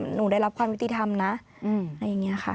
หนูได้รับความยุติธรรมนะอะไรอย่างนี้ค่ะ